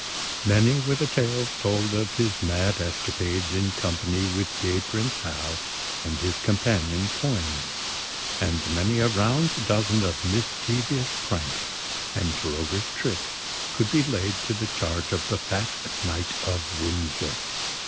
Many were the tales told of his mad escapades in company with gay Prince Hal and his companion Poins; and many a round dozen of mischievous pranks and roguish tricks could be laid to the charge of the fat Knight of Windsor.